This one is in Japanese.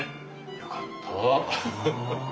よかった。